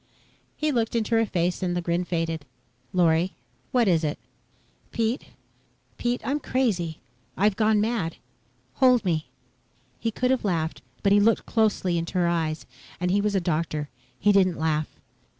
He looked into her face and the grin faded. "Lorry, what is it?" "Pete Pete. I'm crazy. I've gone mad. Hold me." He could have laughed, but he had looked closely into her eyes and he was a doctor. He didn't laugh.